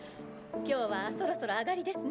今日はそろそろ上がりですね。